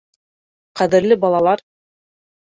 — Ҡәҙерле балалар!